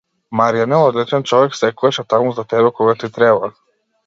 Марјан е одличен човек, секогаш е таму за тебе, кога ти треба.